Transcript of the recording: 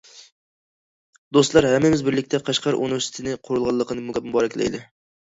دوستلار، ھەممىمىز بىرلىكتە قەشقەر ئۇنىۋېرسىتېتى قۇرۇلغانلىقىنى مۇبارەكلەيلى!